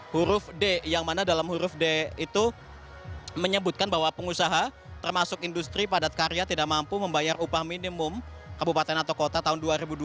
huruf d yang mana dalam huruf d itu menyebutkan bahwa pengusaha termasuk industri padat karya tidak mampu membayar upah minimum kabupaten atau kota tahun dua ribu dua puluh